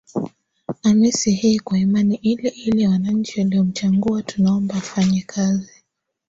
amisi hii kwa imani ile ile ya wananchi waliomchangua tunaomba afanye kazi